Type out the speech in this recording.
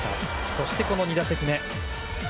そして２打席目。